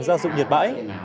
gia dụng nhật bãi